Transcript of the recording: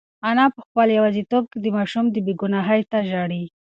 انا په خپل یوازیتوب کې د ماشوم بېګناهۍ ته ژاړي.